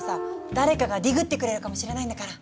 誰かがディグってくれるかもしれないんだから。